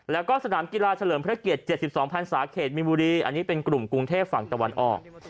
แล้วก็สนามกีฬาเฉลิมพระเกียรติ๗๒พันศาเขตมีบุรีอันนี้เป็นกลุ่มกรุงเทพฝั่งตะวันออก